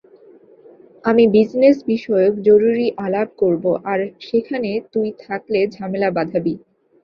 আমি বিজনেস বিষয়ক জরুরি আলাপ করবো, আর সেখানে তুই থাকলে ঝামেলা বাঁধাবি।